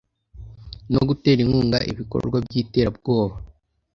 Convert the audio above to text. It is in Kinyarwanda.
no gutera inkunga ibikorwa by itera bwoba